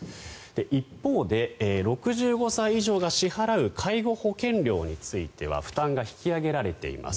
一方で６５歳以上が支払う介護保険料については負担が引き上げられています。